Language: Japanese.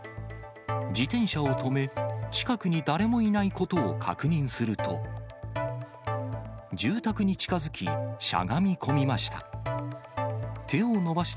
自転車を止め、近くに誰もいないことを確認すると、住宅に近づき、しゃがみ込みました。